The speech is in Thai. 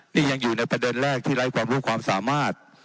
นี่ยังอยู่ในประเด็นแรกที่ไร้ความรู้ความสามารถ